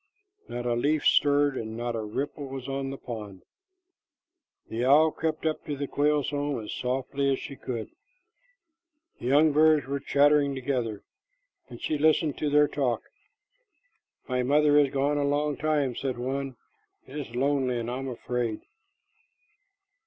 Not a leaf stirred, and not a ripple was on the pond. The owl crept up to the quail's home as softly as she could. The young birds were chattering together, and she listened to their talk. "My mother is gone a long time," said one. "It is lonely, and I am afraid."